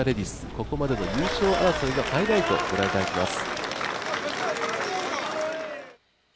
ここまでの優勝争いのハイライトをご覧いただきます。